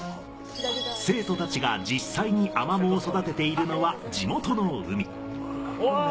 生徒たちが実際にアマモを育てているのは。